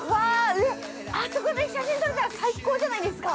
あそこで写真撮れたら最高じゃないですか？